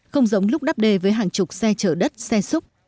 không giống lúc đắp đê với hàng chục xe chở đất xe xúc